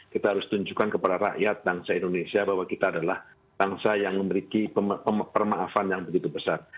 kita harus tunjukkan kepada rakyat bangsa indonesia bahwa kita adalah bangsa yang memiliki permaafan yang begitu besar